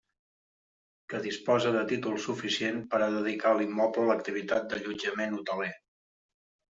Que disposa de títol suficient per a dedicar l'immoble a l'activitat d'allotjament hoteler.